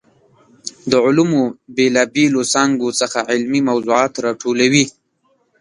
د علومو بېلا بېلو څانګو څخه علمي موضوعات راټولوي.